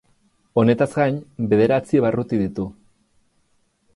Honetaz gain bederatzi barruti ditu.